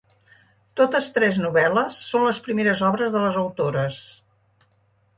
Totes tres novel·les són les primeres obres de les autores.